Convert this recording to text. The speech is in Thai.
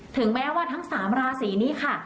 ถึงแม้ว่าทั้ง๓ราศีนี้ค่ะ